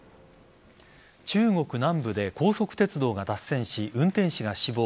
中国南部で高速鉄道が脱線し運転士が死亡。